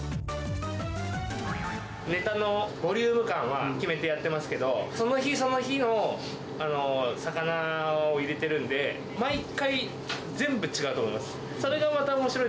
ネタのボリューム感は決めてやっていますけど、その日その日の魚を入れてるんで、毎回、全部違うと思います。